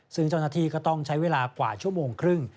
ซึ่งเจ้าหน้าที่ก็ต้องใช้เวลากว่าชั่วโมงครึ่ง